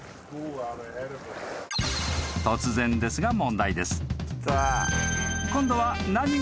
［突然ですが問題です］